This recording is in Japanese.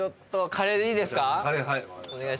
カレーはい。